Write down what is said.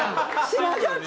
知らんかった！